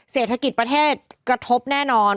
เศรษฐกิจประเทศกระทบแน่นอน